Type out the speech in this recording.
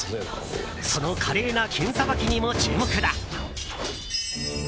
その華麗な剣さばきにも注目だ。